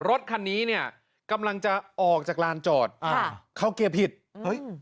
รถคันนี้เนี่ยกำลังจะออกจากลานจอดอ่าเข้าเกียร์ผิดเฮ้ย